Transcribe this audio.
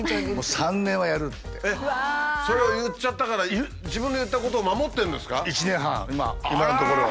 それを言っちゃったから自分の言ったことを守ってるんですか？